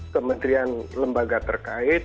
kementerian lembaga terkait